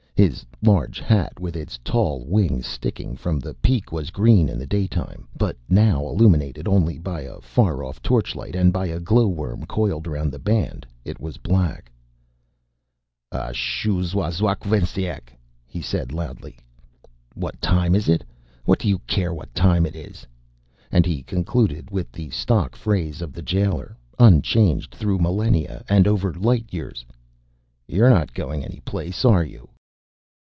His large hat with its tall wings sticking from the peak was green in the daytime. But now, illuminated only by a far off torchlight and by a glowworm coiled around the band, it was black. "Ah, shoo Zhaw Zhawk W'stenyek," he said, loudly. "What time is it? What do you care what time it is?" And he concluded with the stock phrase of the jailer, unchanged through millenia and over light years. "You're not going any place, are you?"